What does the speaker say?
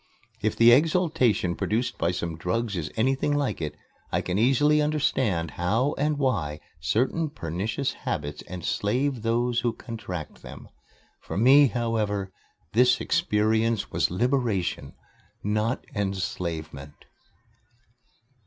If the exaltation produced by some drugs is anything like it, I can easily understand how and why certain pernicious habits enslave those who contract them. For me, however, this experience was liberation, not enslavement.